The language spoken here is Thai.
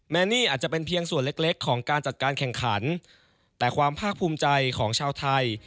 นี่อาจจะเป็นเพียงส่วนเล็กของการจัดการแข่งขันแต่ความภาคภูมิใจของชาวไทย